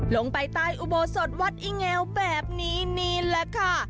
ลงไปใต้อุโบสถวัดอีแงวแบบนี้นี่แหละค่ะ